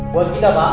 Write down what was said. buat kita pak